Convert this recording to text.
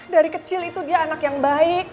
dari kecil itu dia anak yang baik